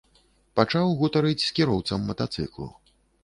Пачаў гутарыць з кіроўцам матацыклу.